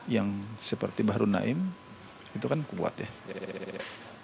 yang seperti bahru naim itu kan kuat ya